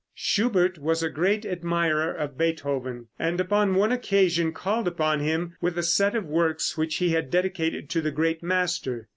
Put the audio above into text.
Schubert was a great admirer of Beethoven, and upon one occasion called upon him with a set of works which he had dedicated to the great master.